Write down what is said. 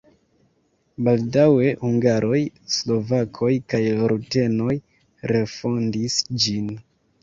Baldaŭe hungaroj, slovakoj kaj rutenoj refondis ĝin.